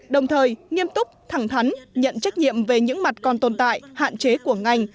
đồng thời nghiêm túc thẳng thắn nhận trách nhiệm về những mặt còn tồn tại hạn chế của ngành